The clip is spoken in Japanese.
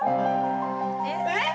えっ！？